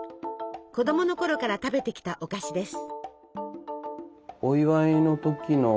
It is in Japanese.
子どものころから食べてきたお菓子です。